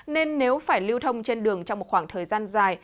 nên nếu phải lưu thông trên đường trong một khoảng thời gian dài